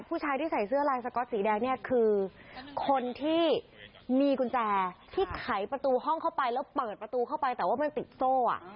ผู้ชายที่ใส่เสื้อลายสก๊อตสีแดงเนี่ยคือคนที่มีกุญแจที่ไขประตูห้องเข้าไปแล้วเปิดประตูเข้าไปแต่ว่ามันติดโซ่อ่ะ